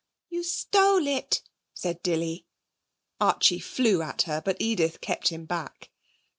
'You stole it,' said Dilly. Archie flew at her, but Edith kept him back.